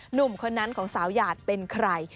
หนุ่มคนนั้นของสาวหยาดเป็นใคร